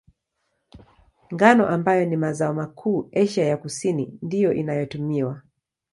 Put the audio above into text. Ngano, ambayo ni mazao makuu Asia ya Kusini, ndiyo inayotumiwa.